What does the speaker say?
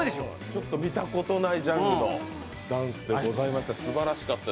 ちょっと見たことないジャンルのダンスでございました。